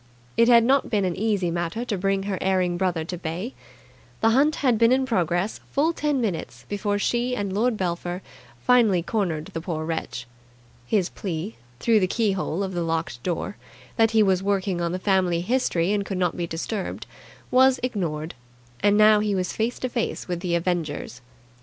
It had not been an easy matter to bring her erring brother to bay. The hunt had been in progress full ten minutes before she and Lord Belpher finally cornered the poor wretch. His plea, through the keyhole of the locked door, that he was working on the family history and could not be disturbed, was ignored; and now he was face to face with the avengers.